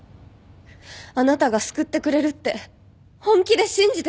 あなたが救ってくれるって本気で信じてたの！